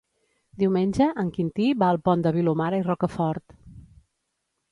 Diumenge en Quintí va al Pont de Vilomara i Rocafort.